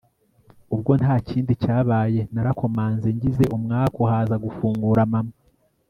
ubwo ntakindi cyabaye narakomanze ngize umwaku haza gufungura mama